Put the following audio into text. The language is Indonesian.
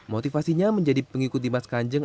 motivasinya menjadi pengikut dimas kanjeng